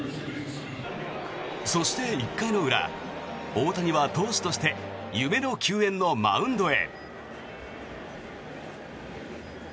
そして、１回の裏大谷は投手として夢の球宴のマウンドへ。